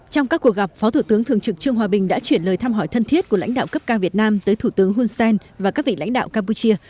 trong các cuộc gặp phó thủ tướng thường trực trương hòa bình đã chuyển lời thăm hỏi thân thiết của lãnh đạo cấp cao việt nam tới thủ tướng hun sen và các vị lãnh đạo campuchia